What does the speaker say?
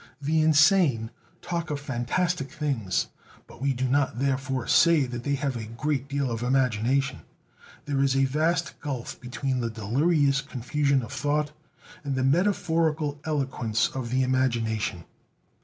The insane talk of fantastic things, but we do not therefore say that they have a great deal of "imagination"; there is a vast gulf between the delirious confusion of thought and the metaphorical eloquence of the imagination.